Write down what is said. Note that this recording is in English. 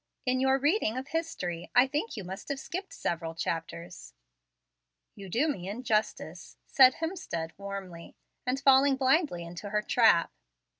In your reading of history, I think you must have skipped several chapters." "You do me injustice," said Hemstead, warmly, and falling blindly into her trap.